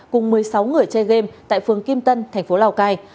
cùng một mươi sáu người chơi game tại phường kim tân thành phố lào cai